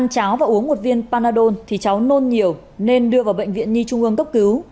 cố một viên panadol thì cháu nôn nhiều nên đưa vào bệnh viện nhi trung ương cấp cứu